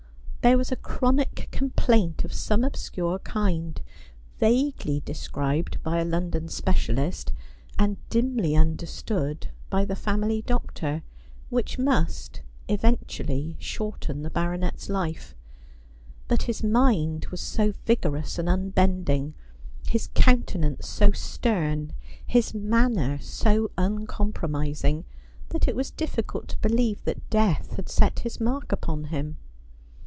There was a chronic complaint of some obscure kind, vaguely described by a London specialist, and dimly understood by the family doctor, which must eventually shorten the baronet's life ; but his mind was so vigorous and unbending, his counten ance so stern, his manner so uncompromising, that it was difll cult to believe that Death had set his mark upon him.